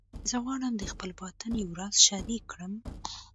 زه غواړم د خپل باطن یو راز شریک کړم